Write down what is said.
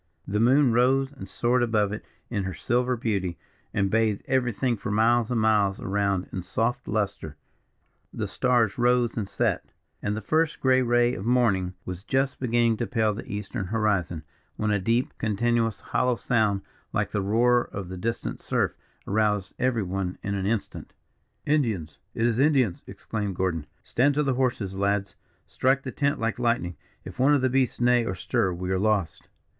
The moon rose and soared above it in her silver beauty, and bathed everything for miles and miles around in soft lustre the stars rose and set and the first grey ray of morning was just beginning to pale the eastern horizon, when a deep, continuous, hollow sound, like the roar of the distant surf, aroused every one in an instant. "Indians! it is Indians!" exclaimed Gordon. "Stand to the horses, lads. Strike the tent like lightning. If one of the beasts neigh or stir, we are lost."